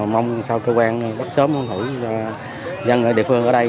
mong sao cơ quan bắt sớm hỏi dân địa phương ở đây